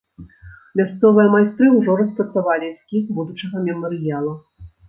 Мясцовыя майстры ўжо распрацавалі эскіз будучага мемарыяла.